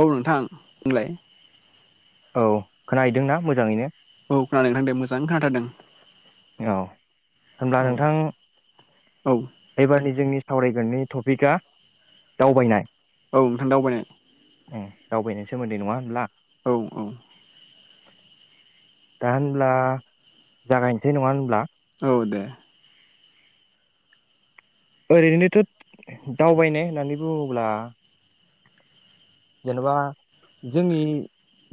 औ नोंथां होनलाय औ खोनाहैदों ना मोजाङैनो? औ खोनादों नोथां दे मोजाङानो खोनाथारदों औ होनब्ला नोंथां औ। औ एबारनि जोंनि सावरायगोननि टपिकआ दावबायनाय औ नोंथां दावबायनाय उम दावबायनायनि सोमोन्दै नङा होनब्ला औ औ दा होनब्ला जागायनोसै नङा होनब्ला औ दे ओरैनोथ दावबायनाय होननानै बुङोब्ला जेनेबा जोंनि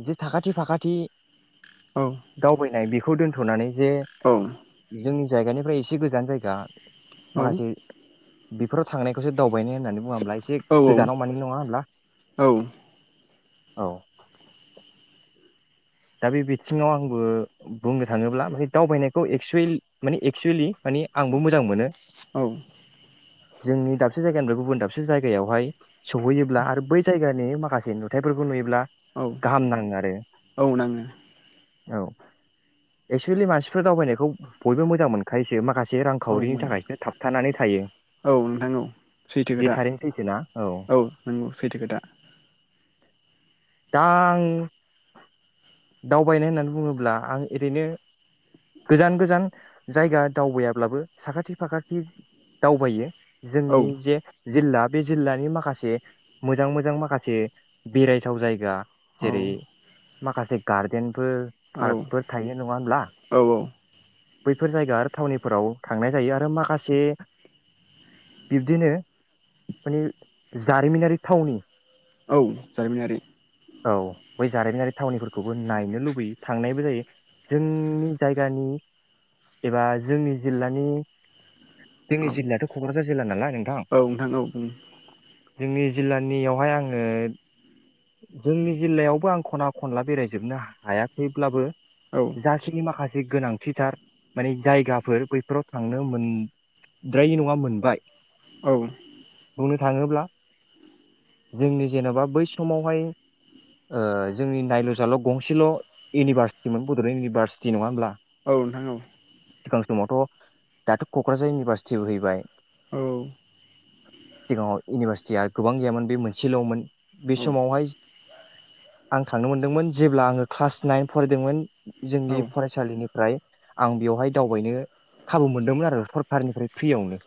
जि साखाथि फाखाथि औ दावबायनाय बे खौ दोन्थनानै जे औ जोंनि जायगानिफ्राय एसे गोजान जायगा औ माखासे बि बेफोरा थांनायखौसो दावबायनाय होननानै बुङा होब्ला। एसे गोजानाव मानि नङा होनब्ला औ औ दा बे बिथिङाव आंबो बुंनो थाङोब्ला माने दावबायनायखौ एक्सुये माने एक्सुयेलि मानि आंबो मोजां मोनो जोंनि दाबसे जायगानिफ्राय गुबुन दाबसे जायगायावहाय सहैयोब्ला आरो बै जायगानि माखासे नुथायाइफोरखौ नुयोब्ला औ गाहाम नाङो आरो औ नाङो औ एक्सुवेलि मानसिफोर दावबायनायखौ बयबो मोजां मोनखायोसो माखासे रां औ खावरिनि मोनो थाखायसो थाब थानानै थायो औ नोंथां औ सैथो बे खोथा थारैनो सैथोना औ नंगौ सैथो खोथा। दा आं दावबायनाय होननानै बुङोब्ला आं ओरैनो गोजान गोजान जायगा दावबायाब्लाबो साखाथि फाखाथि दावबायो औ जोंनि जे जिल्ला बे जिल्लानि माखासे मोजां मोजां माखासे बेरायथाव जायगा औ जेरै माखासे गार्देनफोर पार्कफोर औ थायो नङा होनोमब्ला? औ बैफोर जायगा आरो थावनिफोराव थांनाय जायो आरो माखासे बिब्दिनो माने जारिमिनारि थावनि औ जारिमिनारि औ बै जारिमिनारि थावनिफोरखौबो नायनो लुबैयो थांनायबो जायो जोंनि जायगानि एबा जोंनि जिल्लानि जोंनि औ जिल्लायाथ कक्राझार जिल्ला नालाय औ नोंथां औ बुं जोंनि जिल्लानियावहाय आङो जोंनि जिल्लायावबो आं खना खनला बेरायजोबनो हायाखैब्लाबो औ जासिनि माखासे मोनसे गोनांथिथार माने जायगाफोर बैफोराव थांनो मोनद्रायै नङा मोनबाय औ। बुंनो थाङोब्ला जोंनि जेनेबा बै समावहाय ओ। जों नायल जाल गंसेल इउनिभारसिटिमोन बडलेण्ड इउनिभारसिटि नङा होमब्ला नोंथां औ सिगां समावथ दाथ कक्राझार इउनिभारसिटिबो फैबाय औ औ सिगाङाव इउनिभारसिटिया गोबां गैयामोन बे मोनसेलमोन बे औ समावहाय आं थांनो मोनदोंमोन जेब्ला आङो क्लास नाइन फरायदोंमोन जोंनि फरायसालिनिफ्राय आं बेवहाय दावबायनो खाबु मोनदोंमोन आरो सरखारनिफ्राय फ्रियावनो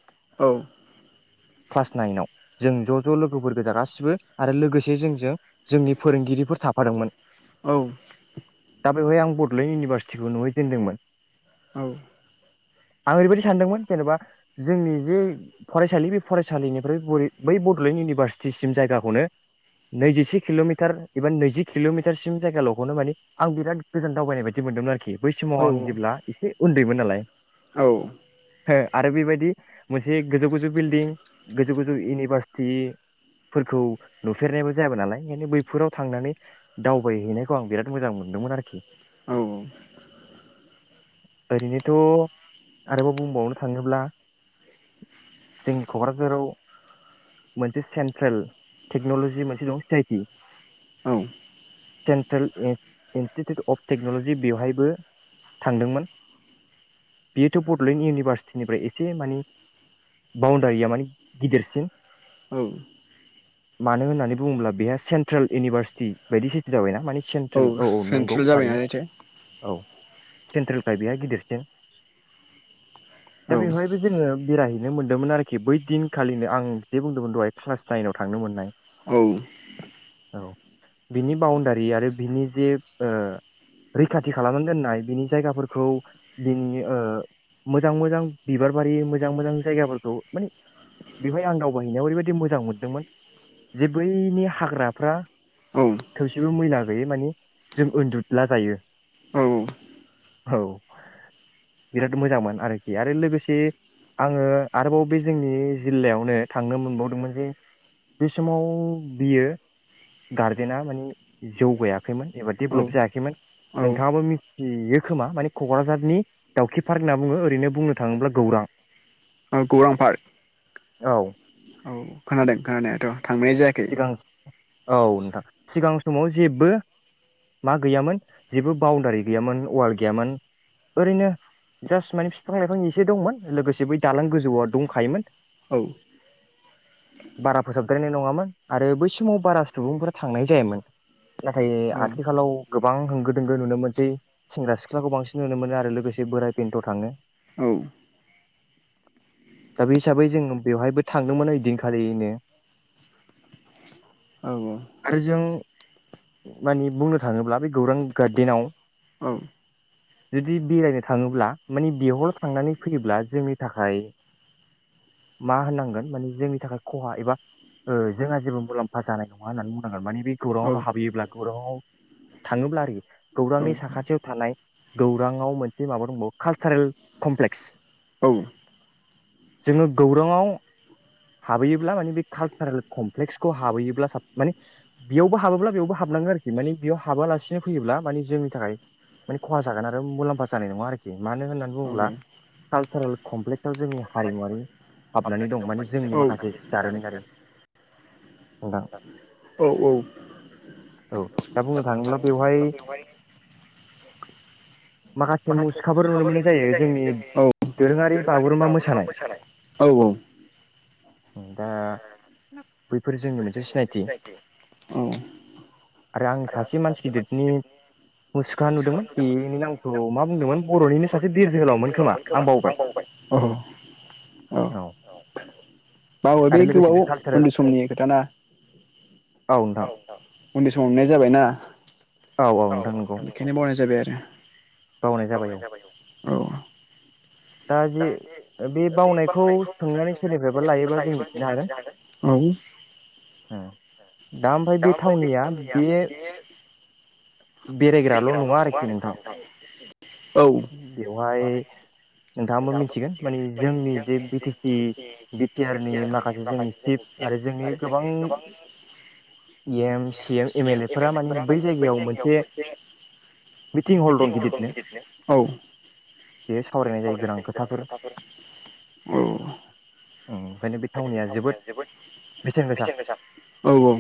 क्लास नाइनाव जों ज ज लोगोफोर गोजा गासिबो आरो लोगोसे जोंजों जोंनि फोरोंगिरिफोर था दा बेवहाय आं बडलेण्ड इउनिभारसिटिखौ नुहैजेनदोंमोन आं ओरैबायदि सानदोंमोन जेनबा जोंनि जे फरायसालि बे फरायसालिनिफ्राय बै बडलेण्ड इउनिभारसिटिसिम जायगाखौनो नैजिसे किलमिटार एबा नैजि किलमिटारसिम जायगालखौनो माने आं बिराद गोजोन दावबायनाय बायदि मोनदोंमोन आरोखि बै समाव आं जेब्ला एसे उन्दैमोन नालाय हो आरो बेबायदि मोनसे गोजौ गोजौ बिल्डिं गोजौ गोजौ इउनिभारसिटिफोरखौ नुफेरनायबो जायामोन नालाय बेनिखायनो बैफोराव थांनानै दावबायहैनायखौ आं बिराद मोजां मोनदोंमोन आरोखि औ ओरैनोथ' आरोबाव बुंबावनो थाङोब्ला जोंनि कक्राझाराव मोनसे सेन्ट्रेल टेक्नलजि मोनसे दं सि आइ टि औ सेन्ट्रेल इन्स्टिटिउट अफ टेक्नलजि बेवहायबो थांदोंमोन बेयोथ बडलेण्ड इउनिभारसिटिनिफ्राय एसे मानि बाउणडारिया मानि गिदिरसिन औ मानो होननानै बुङोब्ला बेहा सेन्ट्रेल इउनिभारसिटि बायदि सिटि जाबाय ना माने सेन्ट्रेल औ औ नंगौ सेन्ट्रेल जाबाय थारैनो नालायथो औ। सेन्ट्रेलखाय बेया गिदिरसिन दा औ बेवहायबो जोङो बेरायहैनो मोनदोंमोन आरोखि बै दिनखालिनो आं जे बुंदोंमोन दहाय क्लास नाइनाव थांनो मोननाय। औ। औ। बिनि बाउणडारि आरो बिनि जे ओ रैखाथि खालामनानै दोननाय बिनि जायगाफोरखौ बिनि मोजां मोजां बिबार बारि मोजां मोजां जायगाफोरखौ माने बेवहाय आं दावबायहैनायाव ओरैबायदि मोजां मोनदोंमोन जे बैनि हाग्राफ्रा औ थोबसेबो मैला गैयै माने जों उन्दुला जायो औ बिराद मोजांमोन आरोखि आरो लोगोसे आङो आरोबाव बे जोंनि जिल्लायावनो थांनो मोनबावदोंमोन जे बे समाव बियो गार्देना मानि जौगायाखैमोन एबा औ डेभेलप जायाखैमोन औ नोंथाङाबो मिथियो खोमा माने कक्राझारनि दाउखि पार्क होनना बुङो ओरैनो बुंनो थाङोब्ला गौरां औ गौरां पार्क औ। औ खोनादों खोनानायाथ'। थांनाय जायाखै। सिगां औ नोंथां सिगां समाव जेबो मा गैयामोन जेबो बाउण्डारि गैयामोन वाल गैयामोन ओरैनो जास्ट माने बिफां-लाइफां एसे दंमोन लोगोसे बै दालां गोजौआ दंखायोमोन। औ। बारा फोसाबद्रायनाय नङामोन। आरो बै समाव बारा सुबुंफोरा थांनाय जायामोन नाथाय औ आथिखालाव गोबां होंगो दोंगो नुनो मोनसै सेंग्रा-सिख्लाखौ बांसिन नुनो मोनो आरो लोगोसे बोराय बेन्थ' थाङो औ दा बे हिसाबै जों बेवहायबो थांदोंमोन ओइदिनखालिनो। औ आरो जों माने बुंनो थाङोब्ला बे गौरां गार्डेनाव जुदि बेरायनो थाङोब्ला माने बेहलाव थांनानै फैयोब्ला जोंनि थाखाय मा होननांगोन माने जोंनि थाखाय खहा एबा जोंहा जेबो मुलाम्फा जानाय नङा होननानै बुंनांगोन माने बे गौराङआवल' हाबैयोब्ला गौराङाव थाङोब्ला आरोखि गौरांनि साखाथियाव थानाय गौराङाव मोनसे माबा दंबावो कालसारेल कमप्लेक्स औ जोङो गौराङाव हाबहैयोब्ला माने बे कालसारेल कमप्लेक्सखौ हाबहैयोब्ला साब माने बेयावबो हाबोब्ला बेयावबो हाबनांगोन आरोखि माने बेयाव हाबालासिनो फैयोब्ला माने जोंनि थाखाय माने खहा जागोन आरो मुलाम्फा जानाय नङा आरोखि मानो होननानै औ बुङोब्ला औ कालसारेल कमप्लेक्सआव जोंनि हारिमुवारि हाबनानै दं माने जोंनि माखासे जारिमिनारि नां औ दा बुंनो थाङोब्ला बेवहाय माखासे मुसुखाफोर नुनो मोननाय जायो जोंनि औ दोरोङारि बागुरुम्बा मोसानाय औ औ। दा बैफोर जोंनि मोनसे सिनायथि औ आरो आं सासे मानसि गिदिरनि मुसुखा नुदोंमोन बेनि नामखौ मा बुंदोंमोन बर'निनो सासे बिर जोहोलावमोन खोमा आं बावबाय औ औ मावो बे आरो लोगोसे गोबाव कालसारेल उन्दै समनि खोथा ना। औ नोंथां। उन्दै समाव हमनाय जाबायना। औ बेखायदिनो बालनाय जाबाय आरो। [unintelligible] बावनाय जाबाय औ औ दा जे बे बावनायखौ सोंनानै सोरनिफ्रायबा लायोबा जों मिथिनो हागोन औ होम दा ओमफ्राय बे थावनिया बे बेरायग्राल' नङा आरोखि नोंथां बेवहाय नोंथाङाबो मिथिगोन मानि जोंनि जे बि टि सि बिटिआ नि माखासे जोंनि चिफ आरो जोंनि गोबां M C M M L A four माने आ बै जायगायाव मोनसे मिटिं हल दं गिदिरनो औ [inaudible] बेयो जायो गोनां सावरायनाय खोथाफोर जायो गोनां खोथाफोर ओंखायनो बे थावनिया जोबोद बेसेन गोसा औ औ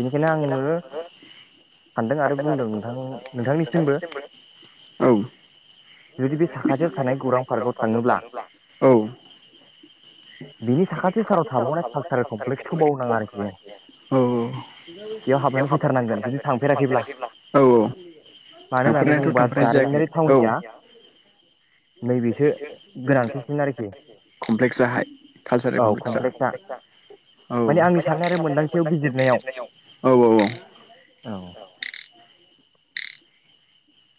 बेनिखायनो आङो सानदों आरो बुंदों नोंथां नोंथांनिसिमबो औ जुदि बे साखाथियाव थानाय गौरां पार्कआव थाङोब्ला बिनि साखाथि साराव खाथि थाराव थाबावनाय कालसारेल कमप्लेक्स होबावनाङा कमप्लेक्सखौ आरोखि बावनाङा आरोखि औ औ बेयाव हाबनानै फैथारनांगोन जुदि थांफेराखैब्ला औ औ मानो होननानै मानो होननानै थांफेरनायथ' बुङोबा थांफेरनाय जारिमिनारि जायाखै औ थावनिया नैबेसो गोनांथिसिन आरोखि कमप्लेक्साहाय कालसारेल कमप्लेक्स औ माने आंनि साननाय आरो मोन्दांथियाव बिजिरनायाव [unintelligible] औ औ औ औ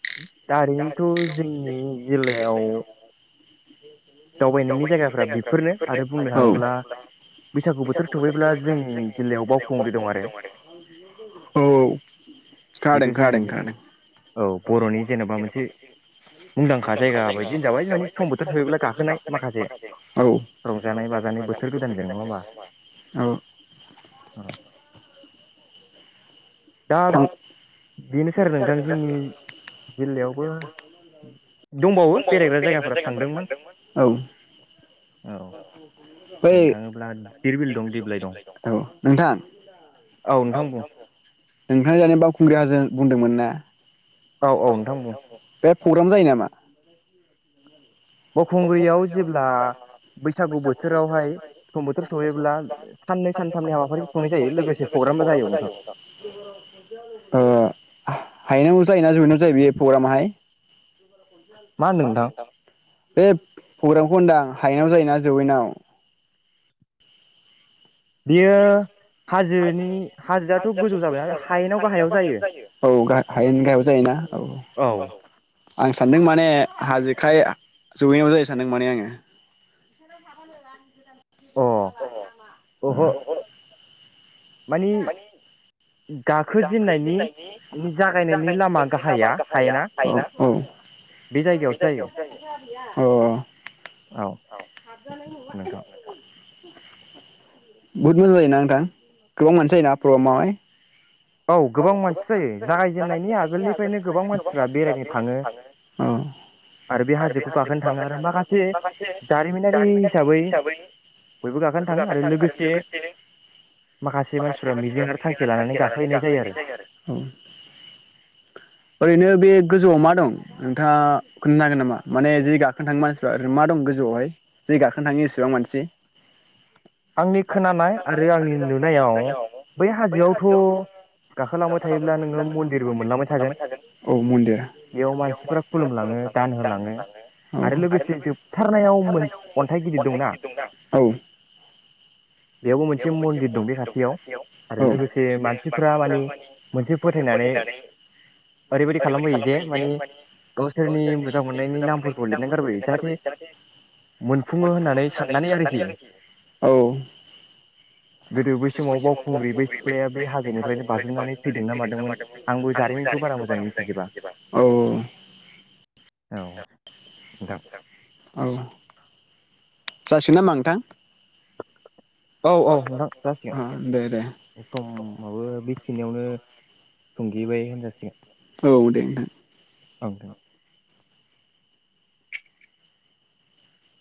[inaudible] दा ओरैनोथ' जोंनि जिल्लायाव दावबायनायनि जायगा फ्रा बेफोरनो आरो बुंनो थाङोब्ला बैसागु बोथोर सुबैब्ला जोंनि जिल्लायाव बावखुंग्रि दं आरो औ बेथ' खोनादों जोंनि खोनादों खोनादों औ बर'नि जेनेबा मोनसे मुंदांखा जायगा बायदिनो होनजाबाय मानि सम बोथोर सफैब्ला गाख खोनाय माखासे रंजानाय बा [unintelligible] बोथोर गोदानजों नङा होमा औ औ दा थां बेनोसै आरो नोंथां जोंनि जिल्लायावबो दंबावो बेरायग्रा जायगाफोरा थांदोंमोन औ औ बै बुंनो थाङोब्ला दिरबिल दं दिप्लाइ दं औ नोंथां औ नोंथां बुं नोंथाङा दानि बावखुंग्रि हाजों बुंदोंमोन ना [unintelligible] औ औ [unintelligible] प्रग्राम जायो नामा? बावखुंग्रियाव जेब्ला बैसागु बोथोरावहाय सम बोथोर सफैब्ला साननै सानथामनि हाबाफारि खुंनाय जायो लोगोसे पग्रामबो जायो नोंथां ओ हायेनाव जायोना जौयेनाव जायो बे प्रग्रामाहाय? मा होनदों नोंथा? बे प्रग्रामखौ होनदां हायेनाव जायोना जौैयेनाव? बियो बेयो हाजो हाजोआथ' गोजौ जाबाय हायेनाव गाहायाव जायो औ हायेन गाहायाव जायोना औ औ आं सानदों मा माने हाजोखाय जौयेनाव जायो सानदों माने आङो अ ओहो [unintelligible] मानि गाखोजेनन्नायनि जागायनायनि लामा गाहाया हायेना औ बे जायगायावसो जायो अ औ [unintelligible] औ नोंथां बहुद मोजां जायोना नोंथां गोबां मोनसि जायोना प्रग्रामावहाय? औ गोबां मानसि जायो जागाय जेननायनि आगोलनिफ्रायनो गोबां मानसिफ्रा बेरायनो थाङो आरो बे हाजोखौ गाखोनो थाङो माखासे जारिमिनारि हिसाबै बयबो गाखोनो थाङो आरो लोगोसे माखासे मानसिफ्रा मिजिं आरो थांखि लानानै [unintelligible] ओरैनो बे गोजौआव मा दं नोंथाङा खोनथानो हागोन नामा? माने जि गाखोनो थाङो मानसिफ्रा ओरैनो मा दं गोजौआवहाय जि गाखोनो थाङो इसेबां मानसि आंनि खोनानाय आरो आंनि नुनायाव बै हाजोआवथ' गाखालांबाय थायोब्ला नोङो मन्दिरबो मोनलांबाय थागोन औ मन्दिर बेयाव मानसिफोरा खुलुमलाङो दान होलाङो आरो लोगोसे जे जोबथारनायाव अन्थाइ गिदिर दंना औ [unintelligible] बेयावबो मोनसे मन्दिर दं बे खााथियाव औ आरो लोगोसे मानसिफोरा माने मोनसे फोथायनानै ओरैबायदि खालामबोयो जे माने गावसोरनि जिउ मोजां मोननायनि नामफोरखौ लिरना गारबोयो जाहाथे मोनफुङो होननानै साननानै आरोखि औ गोदो बै समाव बाउखुंग्रि बे सिख्लाया बे हाजोनिफ्रायनो बाज्रुमनानै फैदोंना मादोंमोन आंबो जारिमिनखौ बारा मोजां मिथिजोबा औ औ औ नोंथां औ जासिगोन ना होनबा नोंथां? औ औ नोंथां अ दे दे औ जासिगोन समाबो बेखिनियावनो थुंगेबाय होनजासिगोन औ दे नोंथां औ दे